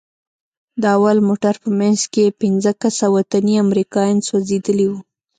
د اول موټر په منځ کښې پنځه کسه وطني امريکايان سوځېدلي وو.